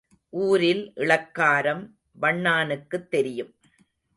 ஊரில் இளக்காரம் வண்ணானுக்குத் தெரியும்.